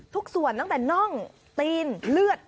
ทุกส่วนตั้งแต่น่องตีนเลือด